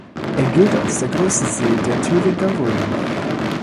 Er gilt als der größte See der Thüringer Rhön.